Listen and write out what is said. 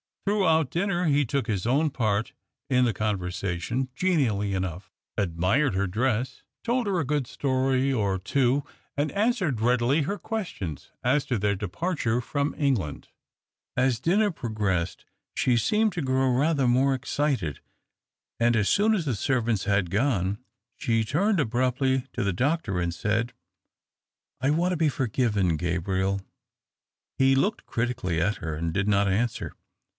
Throudiout dinner he took his 246 THE OCTAVE OF CLAUDIUS. own part in the conversation genially enough, admired her dress, told her a good story or two, and answered readily her questions as to their departure from England. As dinner progressed she seemed to grow rather more excited, and as soon as the servants had gone, she turned abruptly to the doctor, and said, " I want to be forgiven, Gabriel." He looked critically at her, and did not answer.